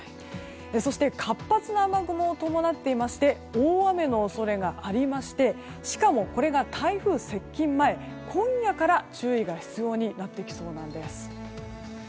そして活発な雨雲を伴っていまして大雨の恐れがありましてしかもこれが台風接近前今夜から注意が必要になってきそうなんです。